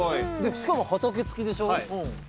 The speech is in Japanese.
しかも畑付きでしょ？